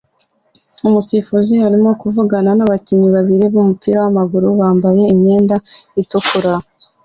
Umusifuzi arimo kuvugana nabakinnyi babiri bumupira wamaguru bambaye imyenda itukura